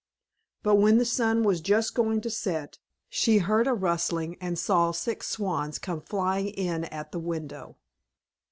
But when the sun was just going to set, she heard a rustling, and saw six swans come flying in at the window.